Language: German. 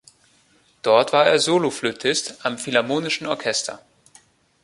Dort war er Soloflötist am Philharmonischen Orchester.